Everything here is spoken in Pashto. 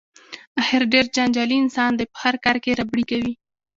احمد ډېر جنجالي انسان دی په هر کار کې ربړې کوي.